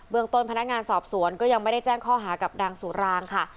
เมืองต้นพนักงานสอบสวนก็ยังไม่ได้แจ้งข้อหากับนางสุรางค่ะ